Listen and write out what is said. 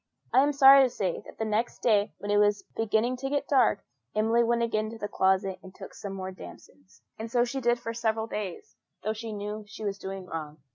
I am sorry to say that the next day, when it was beginning to get dark, Emily went again to the closet and took some more damsons; and so she did for several days, though she knew she was doing wrong.